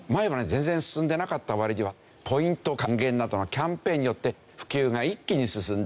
全然進んでなかった割にはポイント還元などのキャンペーンによって普及が一気に進んだ。